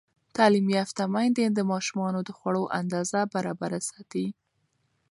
تعلیم یافته میندې د ماشومانو د خوړو اندازه برابره ساتي.